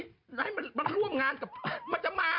เอาให้มันร่วมงานกับมันจะมาไหม